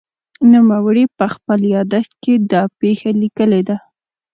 نوموړي په خپل یادښت کې دا پېښه لیکلې ده.